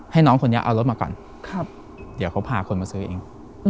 ให้น้องคนนี้เอารถมาก่อนเดี๋ยวเขาพาคนมาซื้อเอง